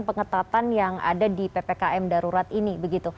pengetatan yang ada di ppkm darurat ini